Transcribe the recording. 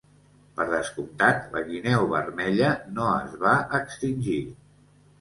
Per descomptat, la guineu vermella no es va extingir.